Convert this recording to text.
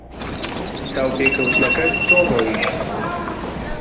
چاوپێکەوتنەکەت چۆن ڕۆیشت؟